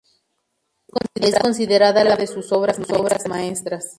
Es considerada la primera de sus obras maestras.